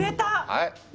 はい？